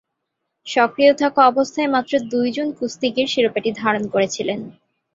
সক্রিয় থাকা অবস্থায় মাত্র দুইজন কুস্তিগির শিরোপাটি ধারণ করেছিলেন।